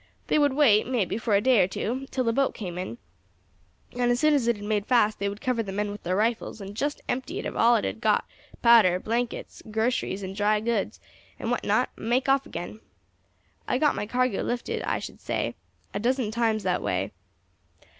They would wait, may be, for a day or two, till a boat came in, and as soon as it had made fast they would cover the men with thar rifles, and just empty it of all it had got powder, blankets, groceries, and dry goods, and what not and make off again. I got my cargo lifted, I should say, a dozen times that way.